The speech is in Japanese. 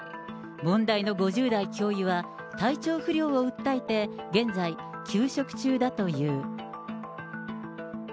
問題の５０代教諭は、体調不良を訴えて、現在、休職中だという。